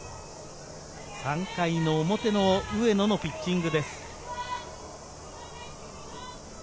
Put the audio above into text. ３回の表の上野のピッチングです。